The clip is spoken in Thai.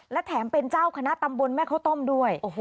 และแถมเป็นเจ้าคณะตำบลแม่ข้าวต้มด้วย